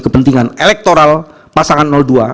kepentingan elektoral pasangan dua